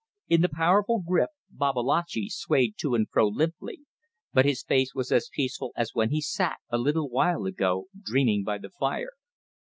In the powerful grip Babalatchi swayed to and fro limply, but his face was as peaceful as when he sat a little while ago dreaming by the fire.